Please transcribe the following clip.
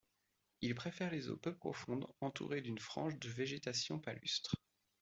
Il préfère les eaux peu profondes entourées d'une frange de végétation palustre.